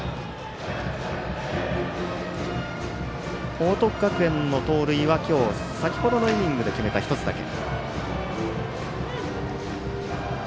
報徳学園の盗塁は今日先ほどのイニングで決めた１つだけ。